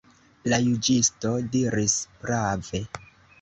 La juĝisto diris prave.